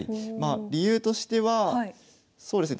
理由としてはそうですね